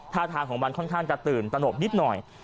ท่าทางของมันค่อนข้างจะตื่นตนกนิดหน่อย